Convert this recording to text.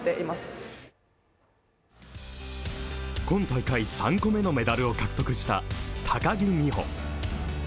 今大会、３個目のメダルを獲得した高木美帆。